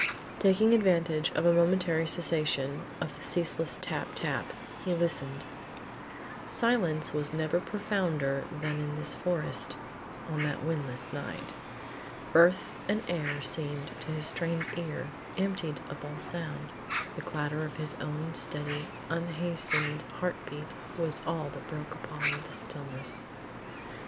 Taking advantage of a momentary cessation of the ceaseless tap tap, he listened. Silence was never profounder than in this forest on that windless night. Earth and air seemed, to his strained ear, emptied of all sound. The clatter of his own steady, unhastened heart beat was all that broke upon the stillness.